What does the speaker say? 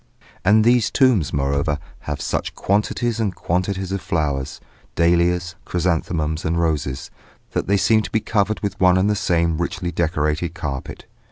And these tombs, moreover, have such quantities and quantities of flowers, dahlias, chrysanthemums and roses, that they seem to be covered with one and the same richly decorated carpet.